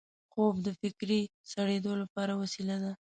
خوب د فکري سړېدو لپاره وسیله ده